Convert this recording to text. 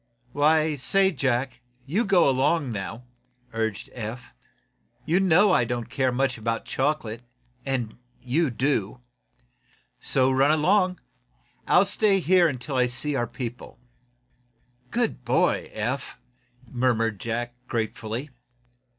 "Why, say, Jack, you go along now," urged Eph. "You know I don't care much about chocolate, and you do. So run along. I'll stay right here until I see our people." "Good boy, Eph!" murmured Jack, gratefully.